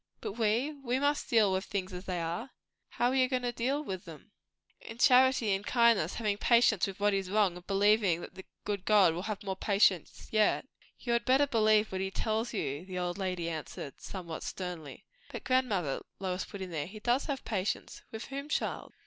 "But we? We must deal with things as they are." "How are you goin' to deal with 'em?" "In charity and kindness; having patience with what is wrong, and believing that the good God will have more patience yet." "You had better believe what he tells you," the old lady answered, somewhat sternly. "But grandmother," Lois put in here, "he does have patience." "With whom, child?"